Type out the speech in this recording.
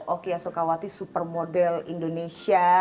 oki asokawati supermodel indonesia